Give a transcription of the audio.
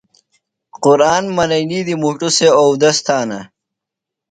قُرآن منئینی دی مُݜٹوۡ سےۡ اودس تھانہ۔